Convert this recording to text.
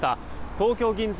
東京・銀座